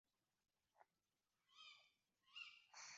তা হল একটি বৃত্ত তৈরী করা যার ক্ষেত্রফল একটি বর্গের ক্ষেত্রফলের সমান হবে।